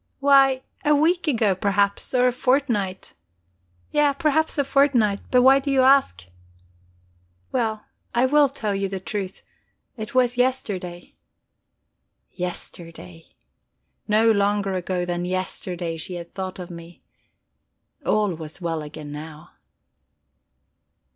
"Why a week ago, perhaps, or a fortnight. Yes, perhaps a fortnight. But why do you ask? Well, I will tell you the truth it was yesterday." Yesterday! No longer ago than yesterday she had thought of me. All was well again now.